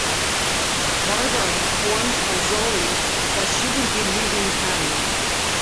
Barbara informs Mazzoli that she will be leaving Hammer.